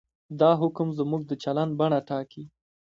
دا حکم زموږ د چلند بڼه ټاکي.